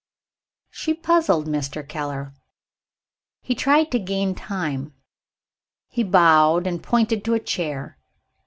She puzzled Mr. Keller. He tried to gain time he bowed and pointed to a chair.